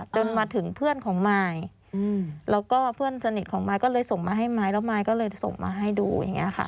จนมาถึงเพื่อนของมายแล้วก็เพื่อนสนิทของมายก็เลยส่งมาให้มายแล้วมายก็เลยส่งมาให้ดูอย่างนี้ค่ะ